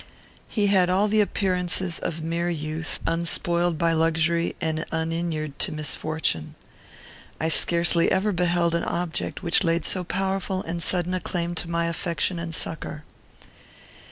He had all the appearances of mere youth, unspoiled by luxury and uninured to misfortune. I scarcely ever beheld an object which laid so powerful and sudden a claim to my affection and succour.